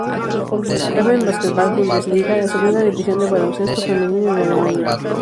Damen-Basketball-Bundesliga, la segunda división de baloncesto femenino en Alemania.